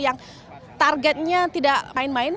yang targetnya tidak main main